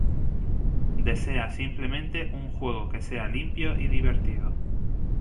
Desea simplemente un juego que sea "limpio y divertido".